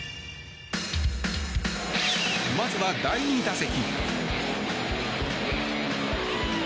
まずは第２打席。